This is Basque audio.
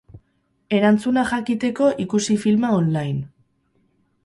Erantzuna jakiteko ikusi filma online.